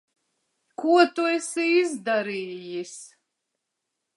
Ko tu esi izdarījis?